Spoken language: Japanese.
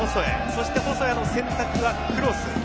そして細谷の選択はクロス。